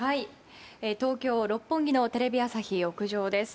東京・六本木のテレビ朝日屋上です。